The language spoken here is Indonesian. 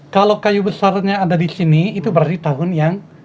kalau kayu besarnya ada di sini itu berarti tahun yang